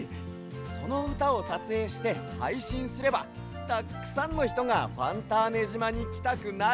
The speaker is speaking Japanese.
そのうたをさつえいしてはいしんすればたっくさんのひとがファンターネじまにきたくなるはず！